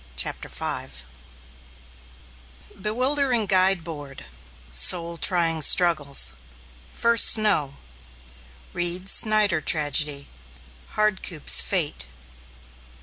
CHAPTER V BEWILDERING GUIDE BOARD SOUL TRYING STRUGGLES FIRST SNOW REED SNYDER TRAGEDY HARDCOOP'S FATE.